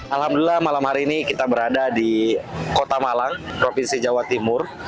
alhamdulillah malam hari ini kita berada di kota malang provinsi jawa timur